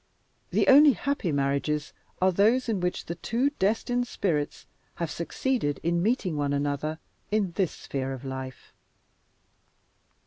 The only happy marriages are those in which the two destined spirits have succeeded in meeting one another in this sphere of life.